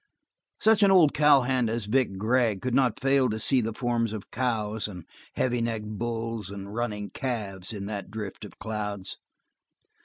Such an old cowhand as Vic Gregg could not fail to see the forms of cows and heavy necked bulls and running calves in that drift of clouds.